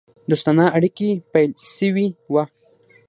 دوستانه اړېکي پیل سوي وه.